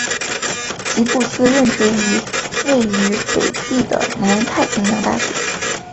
吉布斯任职于位于斐济的南太平洋大学。